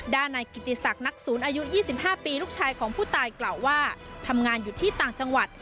นายกิติศักดิ์นักศูนย์อายุ๒๕ปีลูกชายของผู้ตายกล่าวว่าทำงานอยู่ที่ต่างจังหวัด